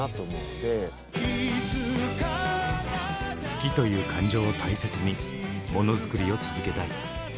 「好き」という感情を大切にもの作りを続けたい。